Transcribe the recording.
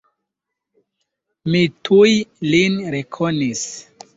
Mi tuj lin rekonis.